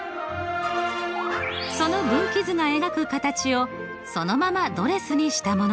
その分岐図が描く形をそのままドレスにしたものです。